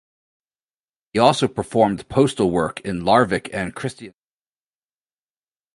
He also performed postal work in Larvik and Kristiansand.